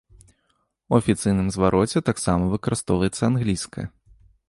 У афіцыйным звароце таксама выкарыстоўваецца англійская.